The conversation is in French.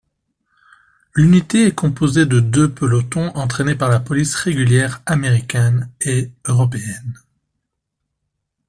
L'unité est composée de deux pelotons entrainés par la police régulière Américaine et Européennes.